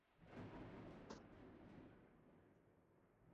ثروتش در منطقهی ما به او قدرت زیادی میدهد.